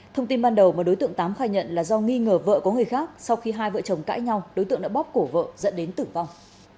thông tin ban đầu mà đối tượng tám khai nhận là do nghi ngờ vợ có người khác sau khi hai vợ chồng cãi nhau đối tượng đã bóp cổ vợ dẫn đến tử vong